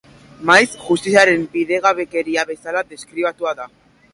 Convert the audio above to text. Maiz, justiziaren bidegabekeria bezala deskribatua da.